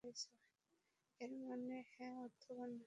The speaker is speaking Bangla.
এর মানে হ্যাঁ অথবা না।